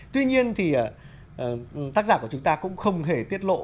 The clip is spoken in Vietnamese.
tuy nhiên thì tác giả của chúng ta cũng không thể tiết lộ